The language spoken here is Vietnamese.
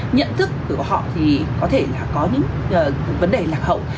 nhận thức của họ có thể có những vấn đề lạc hậu